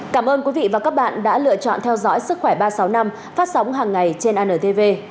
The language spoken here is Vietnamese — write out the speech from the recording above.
cảm ơn quý vị và các bạn đã lựa chọn theo dõi sức khỏe ba trăm sáu mươi năm phát sóng hàng ngày trên antv